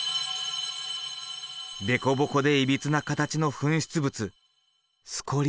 凸凹でいびつな形の噴出物